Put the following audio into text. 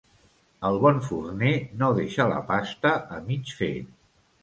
El bon forner no deixa la pasta a mig fer.